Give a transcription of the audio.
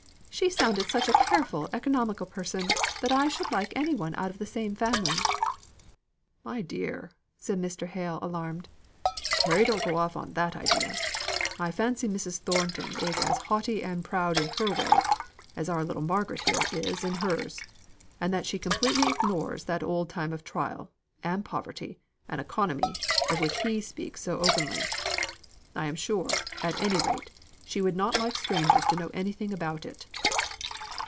She sounded to be such a careful economical person, that I should like any one out of the same family." "My dear," said Mr. Hale alarmed. "Pray don't go off on that idea. I fancy Mrs. Thornton is as haughty and proud in her way as our little Margaret here is in hers, and that she completely ignores that old time of trial, and poverty, and economy, of which he speaks so openly. I am sure, at any rate, she would not like strangers to know anything about it."